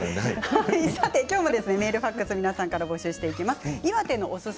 きょうもメール、ファックスを皆さんから募集していきます。